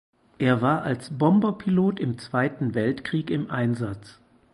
Er war als Bomberpilot im Zweiten Weltkrieg im Einsatz.